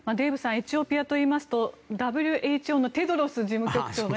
エチオピアといいますとＷＨＯのテドロス事務局長が。